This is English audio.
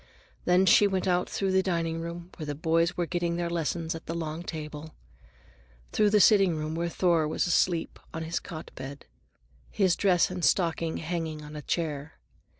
Then she went out through the diningroom, where the boys were getting their lessons at the long table; through the sitting room, where Thor was asleep in his cot bed, his dress and stocking hanging on a chair.